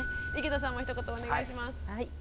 井桁さんもひと言お願いします。